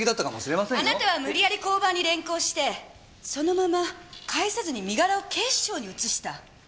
あなたは無理やり交番に連行してそのまま帰さずに身柄を警視庁に移した。